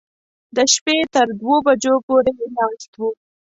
د شپې تر دوو بجو پورې ناست و.